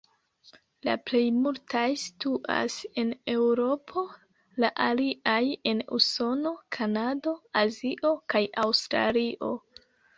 La plej multaj situas en Eŭropo, la aliaj en Usono, Kanado, Azio kaj Aŭstralio.